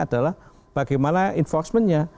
adalah bagaimana enforcementnya